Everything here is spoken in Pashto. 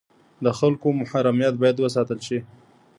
د خلکو محرمیت باید وساتل شي